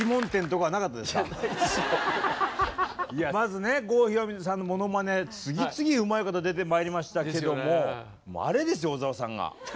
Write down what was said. まずね郷ひろみさんのものまね次々うまい方出てまいりましたけどももうあれですよ小沢さんが。